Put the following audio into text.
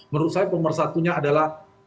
menurut saya pemersatunya adalah